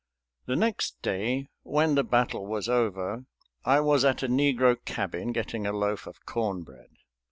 The next day, when the battle was over, I was at a negro cabin getting a loaf of corn bread.